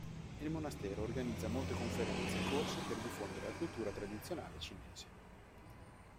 Il monastero organizza molte conferenze e corsi per diffondere la cultura tradizionale cinese.